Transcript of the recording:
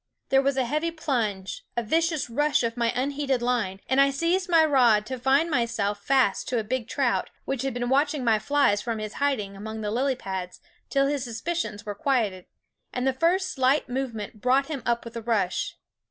There was a heavy plunge, a vicious rush of THE WOODS 9 my unheeded line, and I seized my rod to find myself fast to a big trout, which had been watching my flies from his hiding among the lily pads till his suspicions were quieted, and the first slight movement brought him up with a rush.